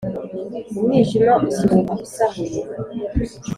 Umwijima usuhuka usahuye